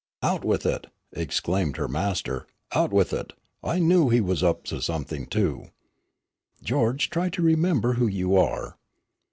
"Out with it," exclaimed her master, "out with it, I knew he was up to something, too." "George, try to remember who you are."